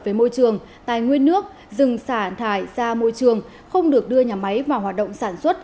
về môi trường tài nguyên nước rừng xả thải ra môi trường không được đưa nhà máy vào hoạt động sản xuất